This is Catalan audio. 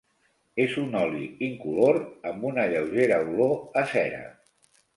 És un oli incolor amb una lleugera olor a cera.